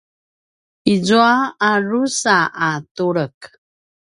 izua a drusa a tulek